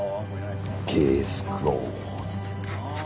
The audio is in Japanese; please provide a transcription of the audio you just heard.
ケースクローズド。